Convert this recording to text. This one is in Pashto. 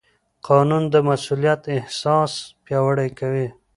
قانون د مسوولیت احساس پیاوړی کوي.